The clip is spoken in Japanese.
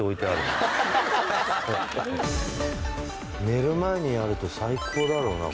寝る前にやると最高だろうな。